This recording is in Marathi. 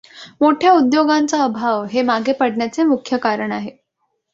मोठ्या उद्योगांचा अभाव हे मागे पडण्याचे मुख्य कारण आहे.